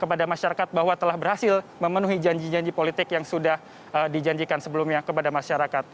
kepada masyarakat bahwa telah berhasil memenuhi janji janji politik yang sudah dijanjikan sebelumnya kepada masyarakat